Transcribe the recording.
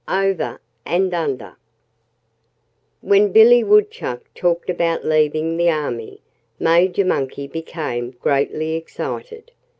XII Over and Under When Billy Woodchuck talked about leaving the army, Major Monkey became greatly excited.